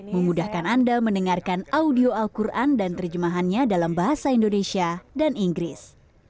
memudahkan anda mendengarkan audio al quran dan terjemahannya dalam bahasa indonesia dan inggris